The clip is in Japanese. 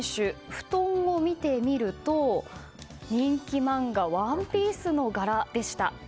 布団を見てみると人気漫画「ＯＮＥＰＩＥＣＥ」の柄でした。